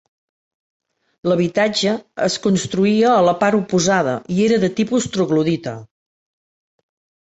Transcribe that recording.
L'habitatge es construïa a la part oposada i era de tipus troglodita.